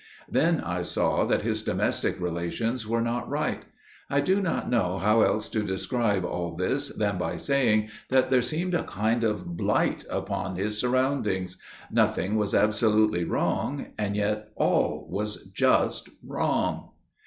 Then I saw that his domestic relations were not right. I do not know how else to describe all this than by saying that there seemed a kind of blight upon his surroundings. Nothing was absolutely wrong, and yet all was just wrong.